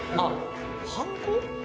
はんこ？